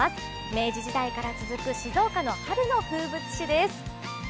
明治時代から続く静岡の春の風物詩です。